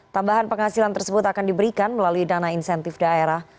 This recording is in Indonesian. tambahan penghasilan tersebut akan diberikan melalui dana insentif daerah